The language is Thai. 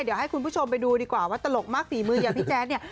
เดี๋ยวให้คุณผู้ชมไปดูดีกว่าว่าตลกมากฝีมืออย่างพี่แจ๊ดเนี่ย